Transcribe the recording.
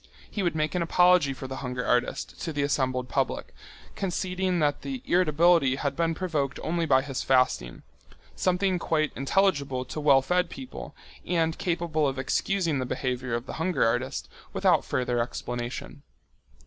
He would make an apology for the hunger artist to the assembled public, conceding that the irritability had been provoked only by his fasting, something quite intelligible to well fed people and capable of excusing the behaviour of the hunger artist without further explanation.